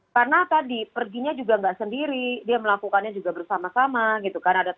karena tadi perginya juga nggak sendiri dia melakukannya juga bersama sama gitu kan